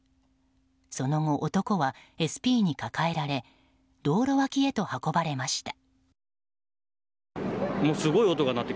その後、男はＳＰに抱えられ道路脇へと運ばれました。